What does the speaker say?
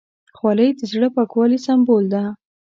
خولۍ د زړه پاکوالي سمبول ده.